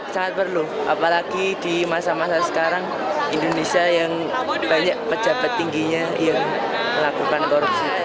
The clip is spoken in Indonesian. sangat perlu apalagi di masa masa sekarang indonesia yang banyak pejabat tingginya yang melakukan korupsi